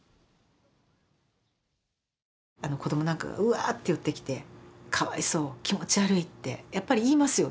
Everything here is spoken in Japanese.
子どもなんかうわって寄ってきて「かわいそう」「気持ち悪い」ってやっぱり言いますよね。